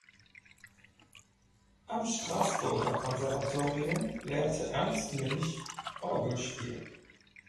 Am Straßburger Konservatorium lehrte Ernst Münch Orgelspiel.